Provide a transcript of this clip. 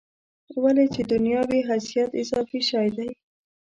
ولې چې دنیا وي حیثیت اضافي شی دی.